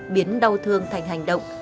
biến đau thương thành hành động